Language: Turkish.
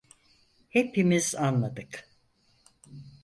Hepimiz anladık!